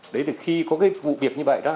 đấy thì khi có cái vụ việc như vậy đó